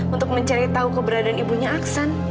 untuk mencari tahu keberadaan ibunya aksan